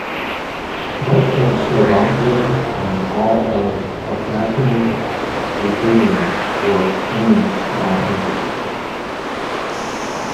Much of Slovakia and all of Carpathian Ruthenia were annexed by Hungary.